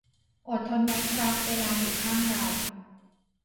อดทนไว้ครับ เวลาอยู่ข้างเรา